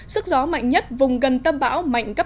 sức gió mạnh nhất vùng gần tâm bão mạnh cấp năm